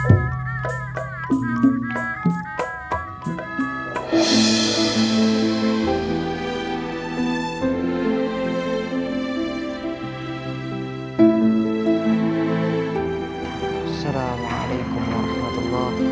assalamualaikum warahmatullahi wabarakatuh